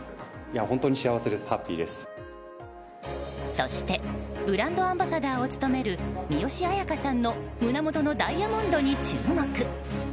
そしてブランドアンバサダーを務める三吉彩花さんの胸元のダイヤモンドに注目。